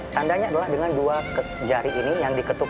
tandanya adalah dengan dua jari ini yang diketuk